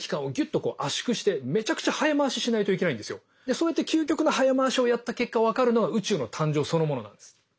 そうやって究極の早回しをやった結果分かるのは宇宙の誕生そのものなんです。